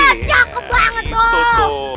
cakup banget tuh